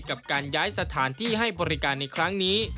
กับการย้ายสถานที่ให้บริการในครั้งนี้